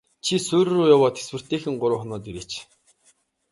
Чи суурь руу яваад тэсвэртэйхэн гурав хоноод ирээч.